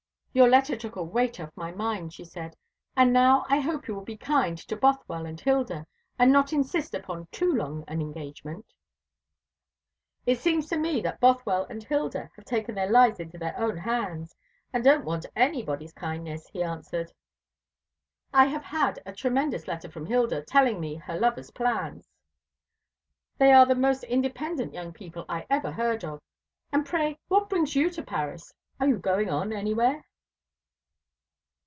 "Your letter took a weight off my mind," she said. "And now I hope you will be kind to Bothwell and Hilda, and not insist upon too long an engagement." "It seems to me that Bothwell and Hilda have taken their lives into their own hands, and don't want anybody's kindness," he answered. "I have had a tremendous letter from Hilda, telling me her lover's plans. They are the most independent young people I ever heard of. And pray what brings you to Paris? Are you going on anywhere?"